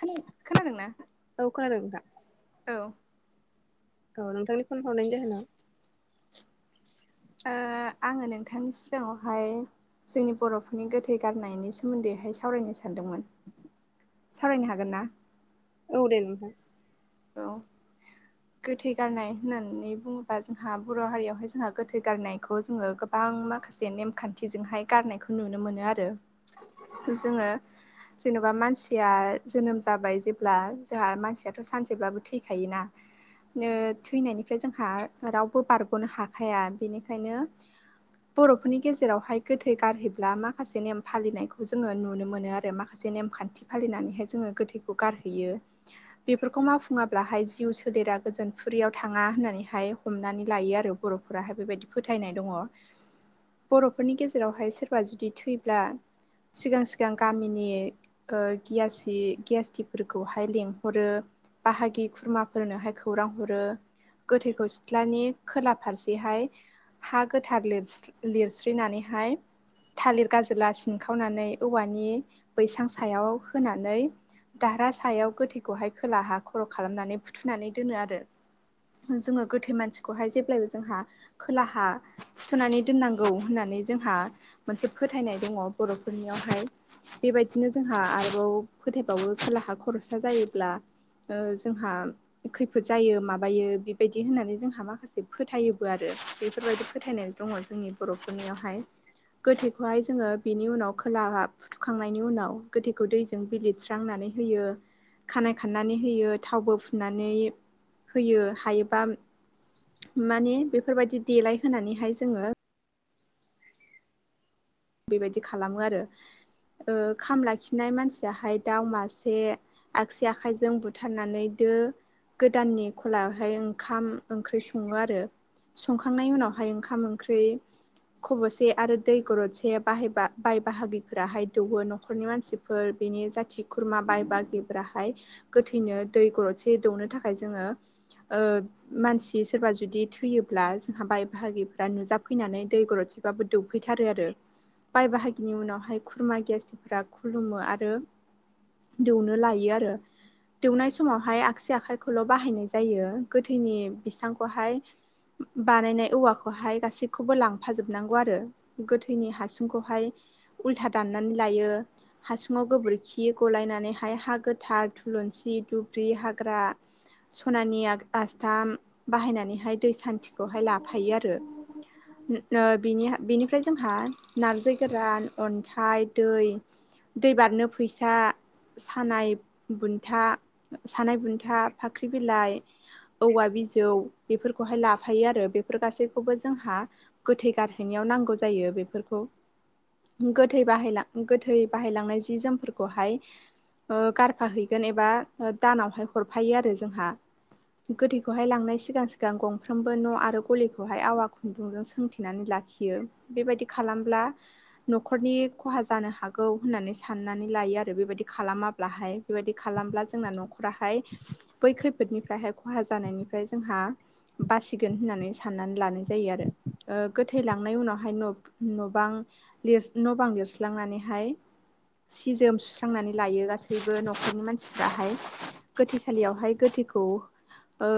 खोनादोंना लखारा औ औ नोंथांनि फन हावनायनि जाहोनाव आङो नोंथांनि सिगाङावहाय जोंनि बर'फोरनि गोथै गारनायनि सोमोन्दैहाय सावरायनो सानदोंमोन सावरायनो हागोन ना एद न औ गोथै गारनाय होननानै बुङोबा जोंहा बर' हारियावहाय जोंहा गोथै गारनायखौ जोङो गोबां माखासे नेमखान्थिजोंहाय गारनायखौ नुनो मोनो आरो जोङो जेन'बा मानसिया जोनोम जाबाय जेब्ला जोंहा मानसियाथ' सानसेब्लाबो थैखायोना थैनायनिफ्राय जोंहा रावबो बारग'नो हाखाया बेनिखायनो बर'फोरनि गेजेरावहाय गोथै गारहैब्ला माखासे नेम फालिनायखौ जोङो नुनो मोनो आरो माखासे ज नेमखान्थि फालिनानैहाय जोङो गोथैखौ गारहैयो बेफोरखौ मावफुङाब्लााय जिउ सोलेरा गोजोनफुरियाव थाङा होननानैहाय हमनानै लायो आरो बर'फोराहाय बेबायदि फोथायनाय दङ [inaudible] बर'फोरनि गेजेरावहाय सोरबा जुदि थैब्ला सिगां सिगां गामिनि ग गियासटिफोरखौहाय लेंहरो बाहागि खुरमा फोरनोहाय खौरां हरो गोथैखौ सिथ्लानि खोला फारसेहाय हा गोथार लिरस लिरस्रिनानैहाय थालिर गाज्रिला सिनखावनानै औवानि बैसां सायाव होनानै दाहारा सायाव गोथैखौहाय खोलाहा खर' खालामनानै बुथुनानै दोनो आरो जोङो गोथै मानसिखौहाय जेब्लायबो जोंहा खोलाहा सुथ'नानै दोननांगौ होननानै जोंहा मोनसे फोथायनाय दङ बर'फोरनियावहाय बेबायदिनो जोंहा आरोबाव फोथायबावो खोलाहा खरसा जायोब्ला जोंहा खैफोद जायो माबायो बेबायदि होननानै जोंहा माखासे फोथायोबो आरो बेफोरबायदि फोथायनाय दङ जोंनि बर'फोरनियावहाय गोथैखौहाय जोङो बेनि उनाव खोलाहा फुथुखांनायनि उनाव गोथैखौ दै जों बिलिर स्रांनानै होयो खानाय खाननानै होयो थावबो फुनानै होयो हायोबा माने बेफोरबायदि देलाय होनानैहाय जोङो बेबायदि खालामो आरो ओ खाम लाखिनाय मानसियाहाय दाउ मासे आगसि आखाइजों बुथारनानै दो गोदाननि खलायावहाय ओंखाम ओंख्रि सङो आरो संखांनायनि उनावहाय ओंखाम ओंख्रि खब'से आरो दै गरदसे बे बाहायब बाय बाहागिफोराहाय दौवो न'खरनि मानसिफोर बेनि जाथि खुरमा बाय बाहागिफ्राहाय गोथैनो दै गरदसे दौनो थाखाय जोङो ओ मानसि सोरबा जुदि थैयोब्ला जोंहा बाय बाहागिफ्रा नुजाफैनानै दै गरदसे बाबो दौफैथारो आरो बाय बाहागिनि उनावहाय खुरमा गेस्टफोरा खुलुमो आरो दौनो लायो आरो दौनाय समावहाय आगसि आखाइखौल' बाहायनाय जायो गोथैनि बिसांखौहाय बानायनाय औवाखौहाय गासिखौबो लांफा जोबनांगौ आरो गोथैनि हासु खौहाय उल्था दाननानै लायो हासुङाव गोबोरखि गलायनानैहाय हा गोथार थुलुंसि दुब्रि हाग्रा सनानि आस्थाम बाहायनानै हाय दै सान्थिखौहाय लाफायो आरो बेनिफ्राय जोंहा नारजि गोरान अन्थाइ दै दै बारनो फैसा सानाय बुन्था सानाय बुन्था फाख्रि बिलाइ औवा बिजौ बेफोरखौहाय लाफायो आरो बेफोर गासैखौबो जोंहा गोथै गारहैनायाव नांगौ जायो बेफोरखौ खौ गोथै बाहायलां गोथै बाहायलांनाय जि जोमफोरखौहाय गारफाहैगोन एबा दानावहाय हरफायो आरो जोंहा गोथैखौहाय लांनाय सिगां सिगां गंफ्रोमबो न' आरो गलिखौहाय आवा खुन्दुंजों सोंथेनानै लाखियो बेबायदि खालामब्ला न'खरनि खहा जानो हागौ होननानै साननानै लायो आरो बेबायदि खालामाब्लाहाय बेबायदि खालामब्ला जोंना न'खराहाय बै खैफोदनिफ्रायहाय खहा जानायनिफ्राय जोंहा बासिगोन होननानै साननानै लानाय जायो आरो ओ गोथै लांनाय उनावहाय न'ब न' बां न' बां लिरस्लांनानैहाय सि जोम सुस्रांनानै लायो गासैबो न'खरनि मानसिफ्राहाय गोथैसालियावहाय गोथैखौ ओ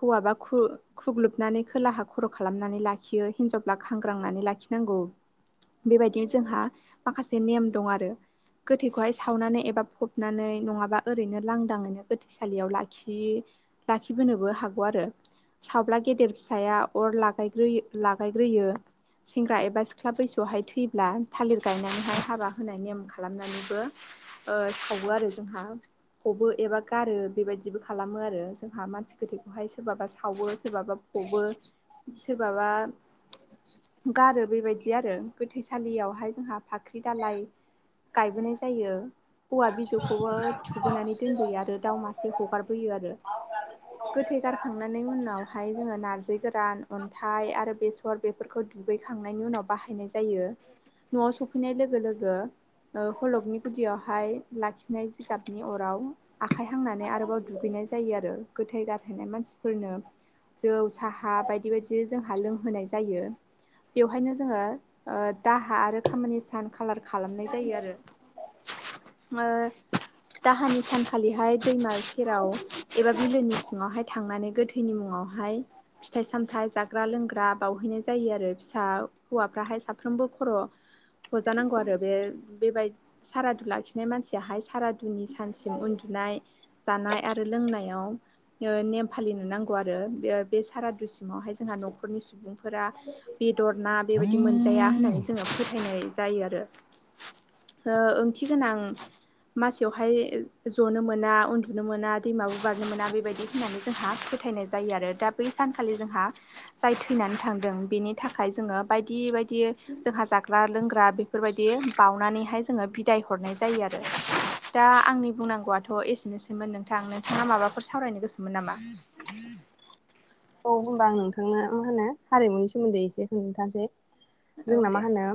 हौवाबा खु खुग्लुबनानै खोलाहा खर' खालामनानै लाखियो हिनजावब्ला खांग्रांनानै लाखियो नांगौ बेबायदिनो जोंहा माखासे नेम दं आरो गोथैखौहाय सावनानै एबा फबनानै नङाबा ओरैनो लांदाङैनो गोथैसालियाव लाखि लाखिबोनोबो हागौ आरो सावबला गेदेर फिसाया अर लागायग्रोयो लागायग्रोयो सेंग्रा एबा सिख्ला बैसोआवहाय थैब्ला थालिर गायनानैहाय हाबा होनाय नेयम खालामनानैबो सावो आरो जोंहा फबो एबा गारो बेबायदिबो खालामो आरो जोंहा मानसि गोथैखौहाय सोरबाबा सावो सोरबाबा फबो सोरबाबा ए गारो बेबायदि आरो गोथैसालियावहाय जोंहा फाख्रि दालाय गायबोनाय जायो औवा बिजौखौबो थुबोनानै दोनबोयो आरो दाउ मासे हगारबोयो आरो गोथै गारखांनायनि उनावहाय जोङो नारजि गोरान अन्थाइ आरो बेसर बेफोरखौ दुगैखांनायनि उनाव बाहायनाय जायो न'आव सफैनाय लोगो लोगो हलखनि गुदियावहाय लाखिनाय जिगाबनि अराव आखाइ हांनानै आरोबाव दुगैनाय जायो आरो गोथै गारहैनाय मानसिफोरनो जौ साहा बायदि बायदि जोंहा लोंहोनाय जायो बेवहायनो जोङो ओ दाहा आरो खामानि सान खालार खालामनाय जायो आरो। ओ दाहानि सानखालिहाय दैमा सेराव एबा बिलोनि सिङावहाय थांनानै गोथो थनि मुङावहाय फिथाइ सामथायाइ जाग्रा लोंग्रा बावहैनाय जायो आरो फिसा हौवाफ्राहाय साफ्रोमबो खर' हजानांगौ आरो बे बेबाय सारादु लाखिनाय मानसियाहाय सारादुनि सानसिम उन्दुनाय जानाय आरो लोंनायाव नेम फालिनो नांगौ आरो बे बे सारादुसि सिमावहाय जोंहा न'खरनि सुबुंफोरा बेदर ना बेबायदि मोनजाया होननानै जोङो फोथायनाय जायो आरो। ओ ओंथि गोनां मासेयावहाय जनो मोना उन्दुनो मोना दैमाबो बाजनो मोना बेबायदि होननानै जोंहा फोथायनाय जायो। जायो आरो दा बै सानखालि जोंहा जाय थैनानै थांदों बेनि थाखाय जोङो बायदि बायदि जोंहा जाग्रा लोंग्रा बेफोरबायदि बाउनानैहाय जोङो बिदाय हरनाय जायो आरो दा आंनि बुंनांगौआथ' एसेनोसैमोन नोंथां नोंथाङा माबाफोर सावरायनो गोसोमोन नामा। औ होनबा आं नोंथांनो मा होनो हारिमुनि सोमोन्दै एसे खोनथासै औ जोंना दे मा होनो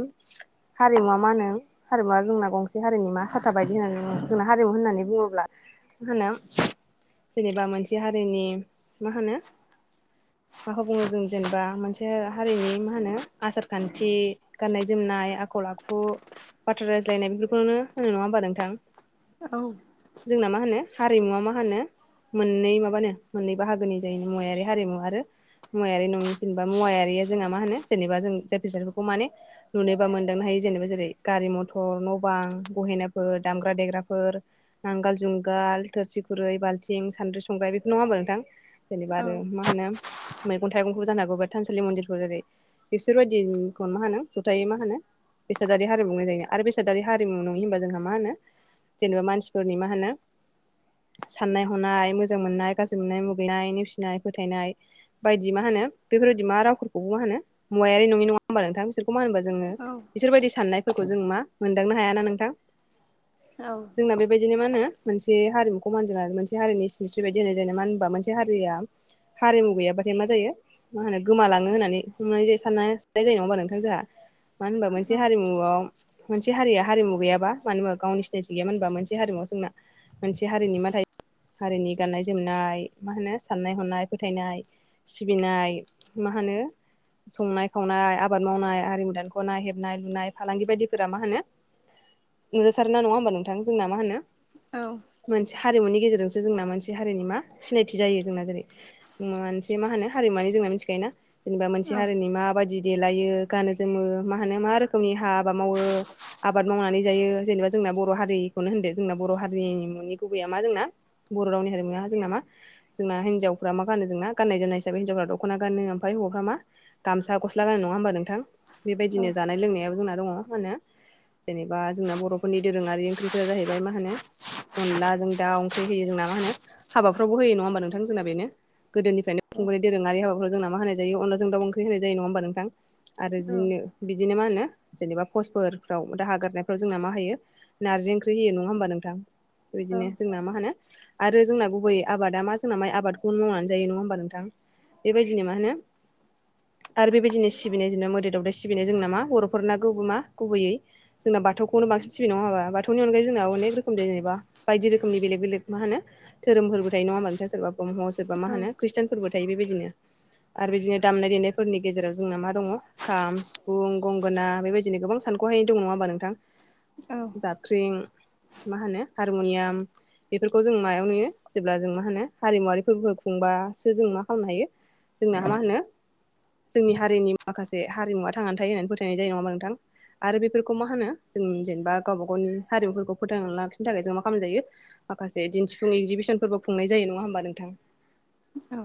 हारिमुवा मा होनो हारिमुवा जोंना गंसे हारिमुआ साथा बायदि होननानै जोंना हारिमु होननानै बुङोब्ला मा होनो जेनेबा मोनसे हारिनि मा होनो माखौ बुङो जों जेनेबा मोनसे हारिनि मा होनो आसार खान्थि गाननाय जोमनाय आखल आखु बाथ्रा रायज्लायनाय बेफोरखौनो होनो नङा होमबा नोंथां। औ जोंना मा होनो हारिमुवा मा होनो मोननै माबानो मोननै बाहागोनि जायो मुवारि हारिमु आरो मुवायारि नङि जेनेबा मुवायारिया जोंहा मा होनो जेनेबा जों जाय बेसादफोरखौ माने नुनोबा मोनदांनो हायो जेनेबा जेरै गारि मथर न' बां बहेनाफोर दामग्रा देग्राफोर नांगाल जुंगाल थोरसि खुरै बाल्थिं सान्द्रि संग्राय बेफोर नङा होमबा नोंथां। जेनेबा औ आरो मा होनो मैगं थाइगंखौबो जानो हागौ बा थानसालि मन्दिरफोर जेरै बिसोरबायदिखौनो मा होनो जथायै मा होनो बेसादारि हारिमुनाय जायोन आरो बेसादारि हारिमु नङयो होनबा जोंहा मा होनो जेनेबा मानसिफोरनि मा होनो साननाय हनाय मोजां मोननाय गाज्रि मोननाय मुगैनाय नेवसिनाय फोथायनाय। बायदि मा होनो बेफोरबायदि मा रावफोरखौबो मा मुयारि नङि नङा होनोमबा नोंथां बिसोरखौ खौ मा होनोबा जोङो बिसोरबायदि साननायफोरखौ जों मा मोनदांनो हायाना नोंथां। औ। जोंना बेबायदिनो मा होनो मोनसे हारिमुखौ मानज आरो मोनसे हारिनि सिनस्रि बायदि होननाय ज मानो होनबा मोनसे हारिया हारिमु गैयाबाथाय मा जायो मा होनो गोमालाङो होननानै हम ज सानाननाय जायो नङा होमा नोंथां जोंहा मानो होनबा मोनसे औ हारिमुआव मोनसे हारिया हारिमु गैयाबा मानो होनबा गावनि सिनायथि गैयामोन होनबा मोनसे हारिमुव जोंना मोनसे हारिनि माथायाइ हारिनि गाननाय जोमनाय मा होनो साननाय हनाय फोथायनाय सिबिनाय मा होनो संनाय खावनाय आबाद मावनाय आरिमु दानखौनाय हेबनाय लुनाय फालांगि बायदिफोरा मा होनो नुजासार नङा होनोमबा नोंथां जोंना मा होनो औ। मोनसे हारिमुनि गेजेरजोंसो जोंना मोनसे हारिनि मा सिनायथि जायो। जोंना जेरै मोनसे मा होनो हारिमुवानि जोंना मिथिखायोना जेनेबा मोनसे हारिनि मा बायदि देलायो गानो जोमो मा होनो मा रोखोमनि हा हाबा मावो आबाद मावनानै जायो जेनेबा जोंना बर' हारिखौनो होनदो जोंना बर' हारिमुनि गुबैया मा जोंना बर' रावनि हारिमुनो हा जों नामा जोंना हिनजफफोरा मा गानो जोंना गाननाय जोमनाय हिाबै हिनजफफोरा दख'ना गानो मफ्राय हौवफ मा गामसा गस्ला गाननाय नङा होमबा नोंथां बेबायदिनो जानाय लोंनायाबो जोंना दङ मा होनो जेनेबा जोंना बर'फोरनि दोरोङारि ओंख्रिफोरा जाहैबाय मा होनो अनद जों दा ओंख्रि होयो जोंना मा होनो हाबाफ्रावबो होयो नङा होमबा नोंथां जोंना बेनो गोदोनिफ्रायनोुंबाय दोरङारि हाबाखौ जोंना मा होनायायो अनलाजोंाउखंखै होन जायो नङा होमबा नोंथां। आरोनो बिदिनो मा होनो जेनेबा पस्टफोरफ्राव दा हागारनायफ्राव जोंना मा होयो नारजि ओंख्रि होयो नङा होमबा नोंथां बिदिनो जोंना मा होनो आरो जोंना गुबै आबादा मा सोराबाय आबादखौनो मावनानै जायो नङा होमबा नोंथां बेबायदिनो मा होनो आरो बेबायदिनो सिबिनाय जोंबा मोदै दावदाय सिबिनाय जोंनाामा बर'फोरना गुब मा गुबैयै जोंना बाथौखौनो बांसिन सिबि नङााबा बाथौनि अनगाय जोंना अने रखोम जेनबा बायदि रोखोमनि बेले बेलेग मा होनोधोरोम फोरबोबायथाय नङा नथाङ सोरबा ब्रह्म सोरबा मा होनो औ खृष्टान फोरबो थायो बेबायदिनो आरो बिदिनो दामनाय देनायफोरनि गेजेराव जोंना मा दङ खाम सिफुं गंगोना बेबायदिनो गोबां सानखौहाय दंङा होनोमा नोंथां औ जाबख्रिं मा होनो हारमुनियाम बेफोरखौ जों मायाव नुयो जेब्ला जों मा होनो हारिमुवारि फोरबो खुंबासो जों मा खालामनो हायो जोंना मा होनो जोंनि हारिनि माखासे हारिमुवा थांनानै थायो होननानै फोथायनाय जायो नङाा नोंथां आरो बेफोरखौ मा होनो जों जेनेबा गावबा गावनि हारिमुफोरखौ फोथांना लाखिनो थाखाय जों मा खालामजायो माखासे दिन्थिफुं एगजिबिसन फोरबो खुंनाय जायो नङा होमबा नोंथां औ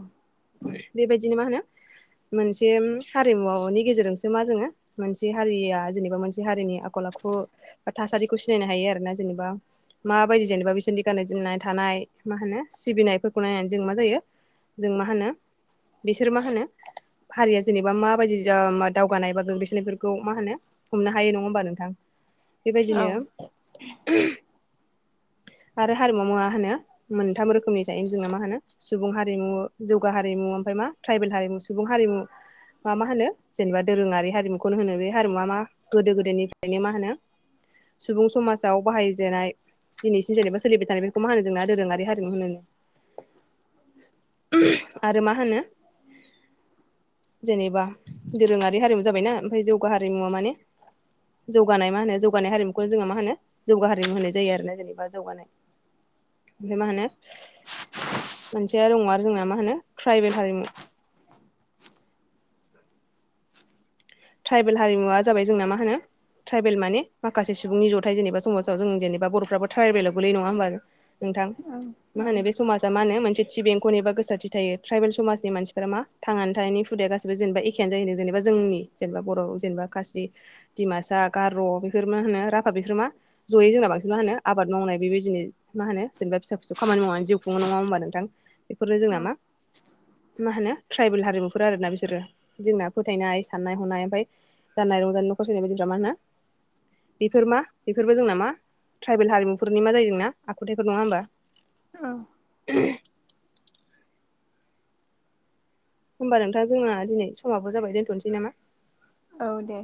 बेबायदिनो मा होनो मोनसे हारिमुवनि गेजेरजोंसो मा जोङो मोनसे हारिया जेनेबा मोनसे हारिनि आखल आखु बा थासारिखौ सिनायनो हायो आरोोना जेनेबा माबायदि जेनेबा बिसोरनि गाननाय जोमनाय थानाय मा होनो सिबिनाय नायनानै जों मा जायो जों मा होनो बिसोर मा होनो हारिया जेनेबा माबायदि दावगानाय बा गोग्लैसोनाय खौ मा होनो हमनो हायो नङा होमबा नोंथां बेबायदिनो आरो हारिमुव मा होनो मोनथाम रोखोमनि थायो जोंना मा होनो सुबुं हारिमु जौगा हारिमु ओमफ्राय मा ट्राइबेल हारिमु सुबुं हारिमु मा मा होनो जेनेबा दोरोङारि हारिमुखौनो होनो बे हारिमुवा मा गोदो गोदोनिफ्रायनो मा होनो सुबुं समाजाव बाहायजेनाय दिनैसिम जेनेबा सोलिबाय थानाय बेफोरखौ मा होनो जोंना दोरोङारि हारिनिखौ होनोनो आरो मा होनो जेनेबा दोरोङारि हारिमु जाबायना ओमफ्राय जौगा हारिमुवा माने जौगानाय मा होनो जौगानाय हारिमुखौनो जोङो मा होनो जौगा हारिमु होनाय जायो आरोना जेनेबा जौगानाय ओमफ्राय मा होनो मोनसेया दङ आरो जोंना मा होनो ट्राइबेल हारिमु [inaudible] ट्राइबेल हारिमुवा जाबाय जोंना मा होनो ट्राइबेल माने माखासे सुबुंनि जथाय जेनेबा समाजाव जों जेनेबा बर'फ्राबो ट्रायबलायाव गोलै नङा होमबा नोंथां मा होनो बे समाजा मा होन मोनसे थि बेंख'निबा गोसारथि थायो ट्राइबेल समाजनि मानफोरा मा थांनानै थानायनि हुदाया गासिबो जेनेबा एखेय जै जेनेबा जोंनि जेनेबा बर' जेनेबा खाासि दिडमासा गार' बेफोर होनो राभा बिफोर मा जयै जोंना बांसिन मा होनो आबाद मावनाय बेबायदिनो मा होनो जेनेबा फिसा फिसौमानि मावनानै जिउ खुङो नङा होनोमबा नोंथां बेफोरनो औ जोंना मा मा होनो ट्राइबेल हारिमुफोर आरोना बिसोरो जोंना फोथायनाय साननाय हनाय ओमफफ्राय जानाय रंजानाय न'ख सनाय बायदि न मा होना बेफोर मा बेफोरबो जोंना मा ट्राइबेल हारिमुफोरनि मा जायो जोंना आखुथायफोर नङा होमबा औ होमबा नोंथां जोंना दिनै समावाब जाबाय दोनथ'नोसै नामा औ दे।